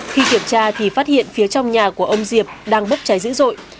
khi kiểm tra thì phát hiện phía trong nhà của ông diệp đang bốc cháy dữ dội